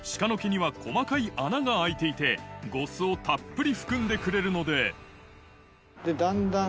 実は鹿の毛には細かい穴が開いていて、呉須をたっぷり含んでくれるので。